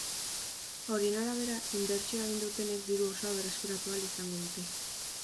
Horien arabera, inbertsioa egin dutenek diru osoa berreskuratu ahal izango dute.